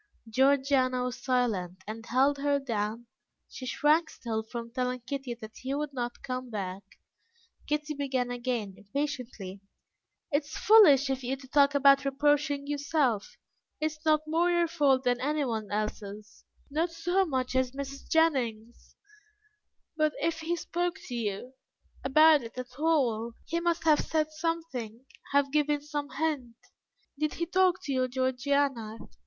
Georgiana was silent, and held her down; she shrank still from telling Kitty that he would not come back. Kitty began again impatiently. "It is foolish of you to talk about reproaching yourself. It is not more your fault than anyone else's; not so much as Mrs. Jennings's, but if he spoke to you about it at all, he must have said something, have given some hint. Did he talk to you, Georgiana?